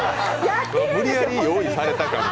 無理やり、用意された感が。